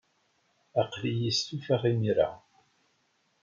Aql-iyi stufaɣ imir-a.